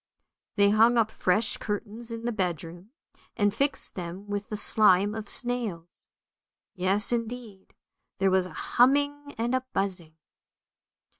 They hung up fresh curtains in the bedroom, and fixed them with the slime of snails. Yes, indeed, there was a humming and a buzzing.